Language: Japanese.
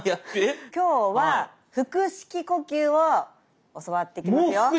今日は腹式呼吸を教わっていきますよ。